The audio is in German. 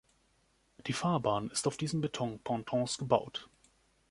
Die Fahrbahn ist auf diesen Betonpontons gebaut.